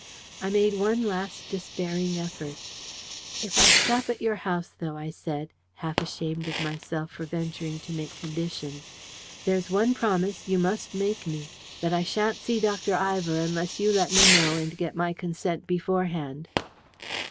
I made one last despairing effort. "If I stop at your house, though," I said, half ashamed of myself for venturing to make conditions, "there's one promise you must make me that I sha'n't see Dr. Ivor unless you let me know and get my consent beforehand."